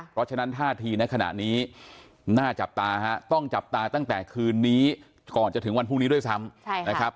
เพราะฉะนั้นท่าทีในขณะนี้น่าจับตาฮะต้องจับตาตั้งแต่คืนนี้ก่อนจะถึงวันพรุ่งนี้ด้วยซ้ำนะครับ